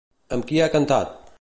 Amb qui ha cantat?